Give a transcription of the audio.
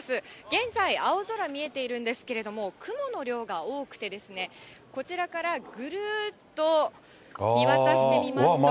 現在、青空、見えているんですけれども、雲の量が多くてですね、こちらからぐるっと見渡してみますと。